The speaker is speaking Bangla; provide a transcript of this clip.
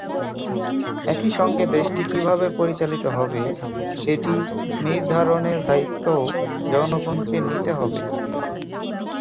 একই সঙ্গে দেশটি কীভাবে পরিচালিত হবে, সেটি নির্ধারণের দায়িত্বও জনগণকে দিতে হবে।